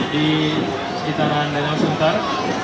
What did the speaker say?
di sekitaran denau suntar